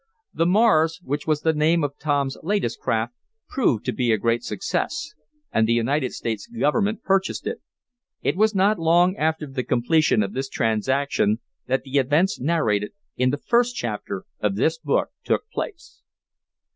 The Mars, which was the name of Tom's latest craft, proved to be a great success, and the United States government purchased it. It was not long after the completion of this transaction that the events narrated in the first chapter of this book took place.